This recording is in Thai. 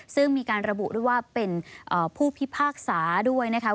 ซึ่งมีการระบุด้วยว่าเป็นผู้พิพากษาด้วยนะคะ